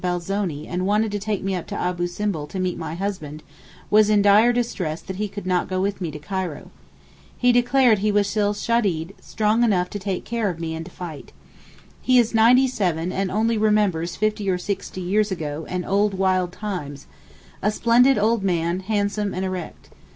Belzoni and wanted to take me up to Abou Simbel to meet my husband, was in dire distress that he could not go with me to Cairo. He declared he was still shedeed (strong enough to take care of me and to fight). He is ninety seven and only remembers fifty or sixty years ago and old wild times—a splendid old man, handsome and erect.